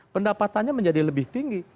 pendapatannya menjadi lebih tinggi